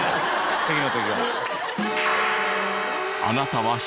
次の時は。